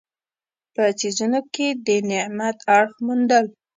په څیزونو کې د نعمت اړخ موندل.